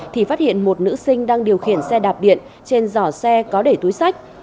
thì phát hiện một nữ sinh đang điều khiển xe đạp điện trên giỏ xe có để túi sách